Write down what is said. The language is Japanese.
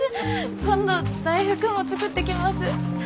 今度大福も作ってきます。